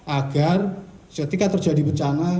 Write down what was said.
agar ketika terjadi bencana